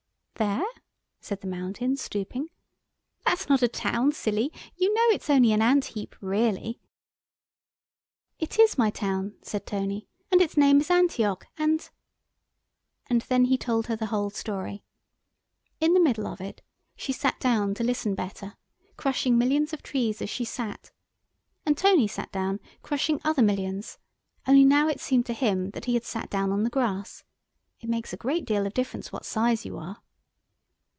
"There?" said the Mountain, stooping, "that's not a town, silly, you know it's only an ant heap, really." "It is my town," said Tony, "and its name is Antioch, and——" And then he told her the whole story. In the middle of it she sat down to listen better, crushing millions of trees as she sat. And Tony sat down, crushing other millions, only now it seemed to him that he had sat down on the grass. It makes a great deal of difference what size you are.